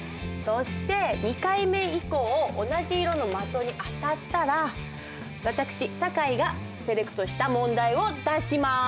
そして２回目以降同じ色の的に当たったら私酒井がセレクトした問題を出します。